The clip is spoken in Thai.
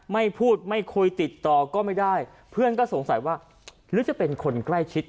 ไม่พูดไม่คุยติดต่อก็ไม่ได้เพื่อนก็สงสัยว่าหรือจะเป็นคนใกล้ชิด